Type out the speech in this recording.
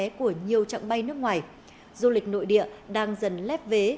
giá vé của nhiều trạng bay nước ngoài du lịch nội địa đang dần lép vé